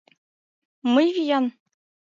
Мый виян?